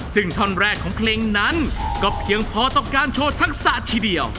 ซึ่งท่อนแรกของเพลงนั้นก็เพียงพอต้องการโชว์ทักษะทีเดียว